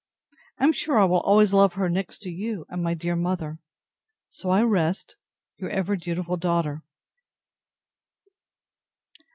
I am sure I will always love her, next to you and my dear mother. So I rest Your ever dutiful DAUGHTER.